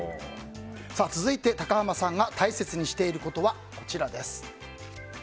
続いて、高濱さんが大切にしていることはこちら。